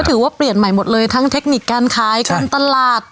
ถือว่าเปลี่ยนใหม่หมดเลยทั้งเทคนิคการขายการตลาด